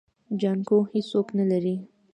جانکو هيڅوک نه لري.